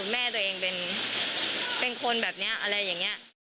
แม่ตัวเองเป็นคนแบบนี้อะไรอย่างนี้